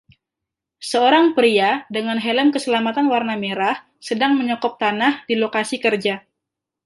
Seorang pria dengan helm keselamatan warna merah sedang menyekop tanah di lokasi kerja